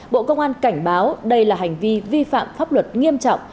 bộ công an cảnh báo đây là hành vi vi phạm pháp luật nghiêm trọng